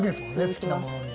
好きなものに。